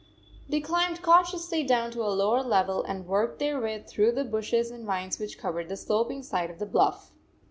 They climbed cautiously down to a lower level and worked their way through the bushes and vines which covered the sloping side of the bluff.